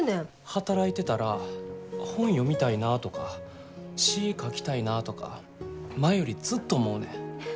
働いてたら本読みたいなとか詩書きたいなとか前よりずっと思うねん。